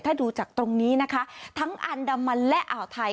ถ้าดูจากตรงนี้นะคะทั้งอันดามันและอ่าวไทย